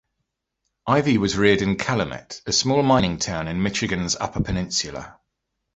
Ivey was reared in Calumet, a small mining town in Michigan's Upper Peninsula.